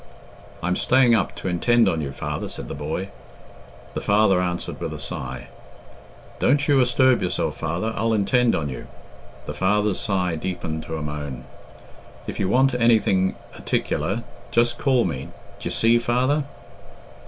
"I'm staying up to intend on you, father," said the boy. The father answered with a sigh. "Don't you asturb yourself, father. I'll intend on you." The father's sigh deepened to a moan. "If you want anything 'aticular, just call me; d'ye see, father?"